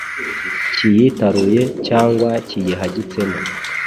kiyitaruye cyangwa kiyihagitsemo.